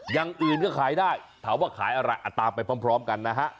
อย่างอื่นก็ขายได้ถามว่าขายอะไรอ่ะตามไปพร้อมกันนะฮะ